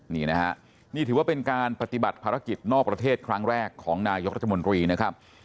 นี่นะฮะนี่ถือว่าเป็นการปฏิบัติภารกิจนอกประเทศครั้งแรกของนายกรัฐมนตรีนะครับ